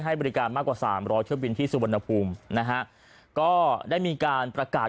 ให้บริการมากกว่าสามร้อยเที่ยวบินที่สุวรรณภูมินะฮะก็ได้มีการประกาศ